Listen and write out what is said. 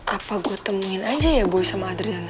apa gua temuin aja ya boy sama adriana